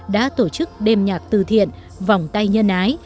đã tổ chức đêm nhạc tư thiện vòng tay nhân ái